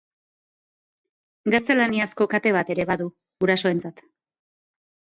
Gaztelaniazko kate bat ere badu, gurasoentzat.